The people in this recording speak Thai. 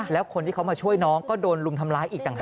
แล้วคนที่เขามาช่วยน้องก็โดนลุมทำร้ายอีกต่างหาก